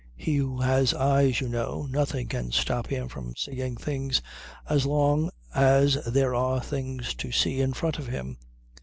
He who has eyes, you know, nothing can stop him from seeing things as long as there are things to see in front of him.